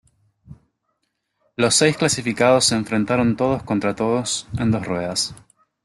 Los seis clasificados se enfrentaron todos contra todos, en dos ruedas.